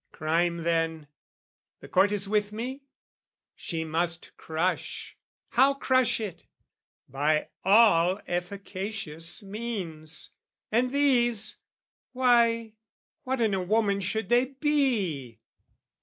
Crime then, the Court is with me? she must crush; How crush it? By all efficacious means; And these, why, what is woman should they be?